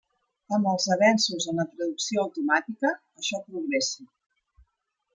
Amb els avanços en la traducció automàtica, això progressa.